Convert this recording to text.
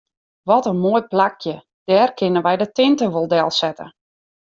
Wat in moai plakje, dêr kinne wy de tinte wol delsette.